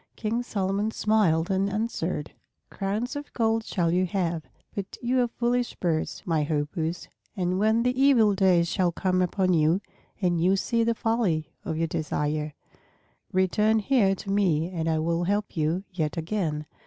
King Solomon smiled and answered, "Crowns of gold shall you have. But you are foolish birds, my Hoopoes; and when the evil days shall come upon you and you see the folly of your desire, return here to me and I will help you yet again."